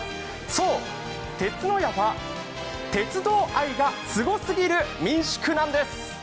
そう、鐵ノ家は、鉄道愛がすごすぎる民宿なんです。